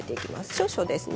少々ですね。